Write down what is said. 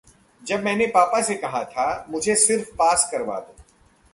जब मैंने पापा से कहा था- मुझे सिर्फ पास करवा दो...